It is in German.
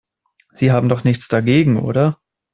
Sie haben doch nichts dagegen, oder?